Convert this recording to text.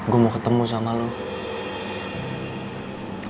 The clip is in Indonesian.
gue mau ketemu sama lo